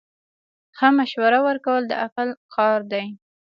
ښه مشوره ورکول د عقل کار دی.